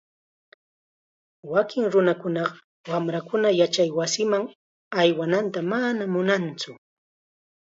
Wakin nunakunaqa wamrankuna yachaywasiman aywananta manam munantsu.